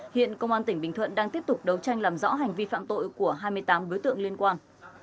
hiện công an tỉnh bình thuận đang tiếp tục đấu tranh làm rõ hành vi phạm tội của hai mươi tám đối tượng liên quan